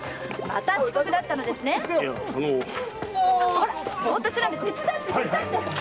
ほらボーッっとしてないで手伝って手伝って！